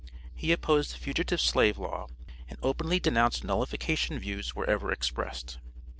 He opposed the fugitive slave law, and openly denounced nullification views wherever expressed.